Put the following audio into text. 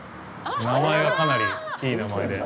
名前がかなりいい名前で。